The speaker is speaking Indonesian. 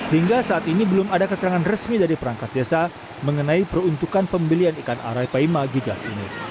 hingga saat ini belum ada keterangan resmi dari perangkat desa mengenai peruntukan pembelian ikan arapai paima gigas ini